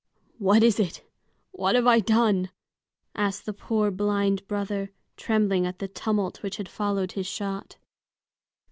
"What is it? What have I done?" asked the poor blind brother, trembling at the tumult which had followed his shot.